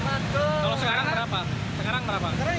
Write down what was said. kalau sekarang berapa